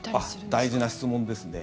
大事な質問ですね。